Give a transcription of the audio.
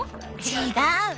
違う。